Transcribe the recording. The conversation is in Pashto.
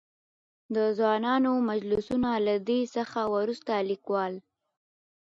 د ځوانانو مجلسونه؛ له دې څخه ورورسته ليکوال.